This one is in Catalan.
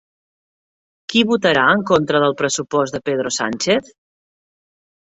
Qui votarà en contra del pressupost de Pedro Sánchez?